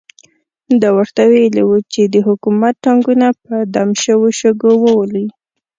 ده ورته ویلي وو چې د حکومت ټانګونه په دم شوو شګو وولي.